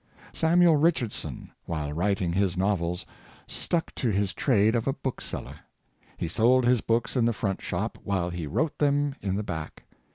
Samuel Richardson, while writing his novels, stuck to his trade of a book seller. He sold his books in the front shop, while he wrote them in the back.